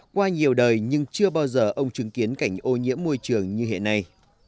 qua nhiều đời nhưng chưa bao giờ ông chứng kiến cảnh ô nhiễm môi trường như hiện nay